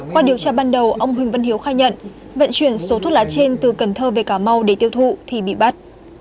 qua điều tra ban đầu ông huỳnh văn hiếu khai nhận vận chuyển số thuốc lá trên từ cần thơ về cà mau để tiêu thụ thì bị bắt